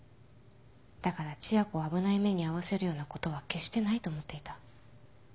だから千夜子を危ない目に遭わせるようなことは決してないと思っていた